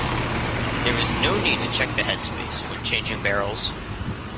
There is no need to check the headspace when changing barrels.